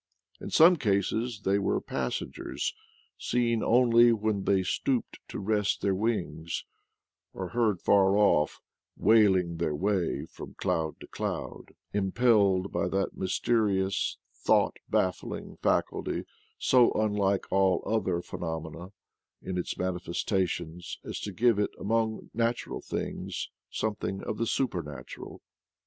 In some cases they were passengers, seen only when they stooped to rest their wings, or heard far off " wailing their way from cloud to cloud, " impelled by that mysterious thought baffling faculty, so un like all other phenomena in its manifestations as to give it among natural things something of the supernatural.